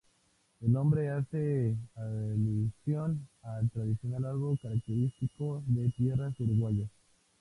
El nombre hace alusión al tradicional árbol característico de tierras uruguayas.